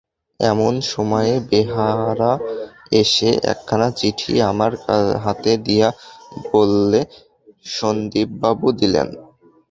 এমন সময়ে বেহারা এসে একখানা চিঠি আমার হাতে দিয়ে বললে, সন্দীপবাবু দিলেন।